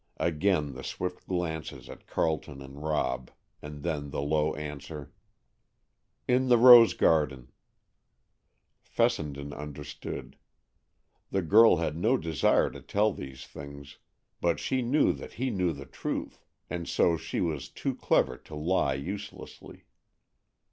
Again the swift glances at Carleton and Rob, and then the low answer: "In the rose garden." Fessenden understood. The girl had no desire to tell these things, but she knew that he knew the truth, and so she was too clever to lie uselessly.